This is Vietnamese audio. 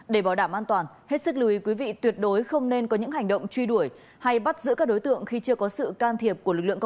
để bảo đảm an toàn hết sức lưu ý quý vị tuyệt đối không nên có những hành động truy đuổi hay bắt giữ các đối tượng khi chưa có sự can thiệp